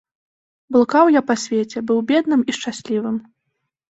Блукаў я па свеце, быў бедным і шчаслівым.